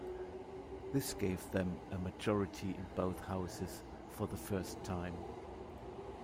This gave them a majority in both Houses for the first time.